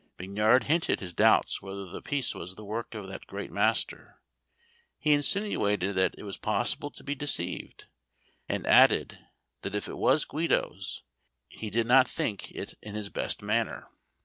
Mignard hinted his doubts whether the piece was the work of that great master; he insinuated that it was possible to be deceived; and added, that if it was Guido's, he did not think it in his best manner.